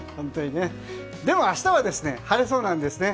でも、明日は晴れそうなんですね。